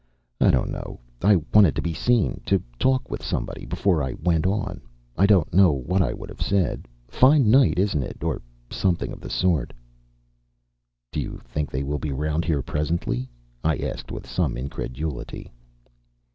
I don't know I wanted to be seen, to talk with somebody, before I went on. I don't know what I would have said.... 'Fine night, isn't it?' or something of the sort." "Do you think they will be round here presently?" I asked with some incredulity.